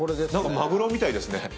何かマグロみたいですね。